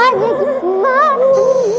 kan nggak di sini